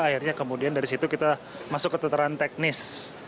akhirnya kemudian dari situ kita masuk ke tetaran teknis